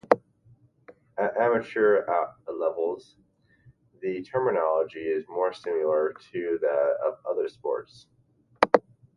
At amateur levels, the terminology is more similar to that of other sports.